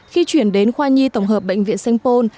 khi chuyển đến khoa nhi tổng hợp bệnh viện sanh pôn